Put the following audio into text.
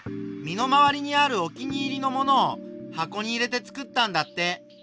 身の回りにあるお気に入りの物を箱に入れてつくったんだって。